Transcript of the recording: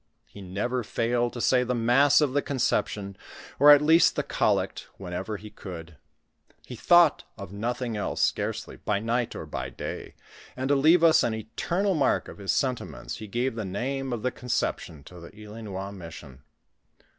lie never failed to say the mast* of the Conception, or at least the collect, whenever ho could , .le thought of nothing else scarcely by night or by day, and to leave us an eternal mark of his sentiments, he gave the name of the Coi.ception to the Ilinois mission.